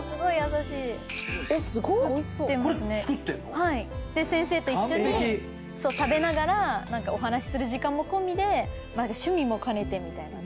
これ作ってんの⁉先生と一緒に食べながらお話しする時間も込みで趣味も兼ねてみたいな。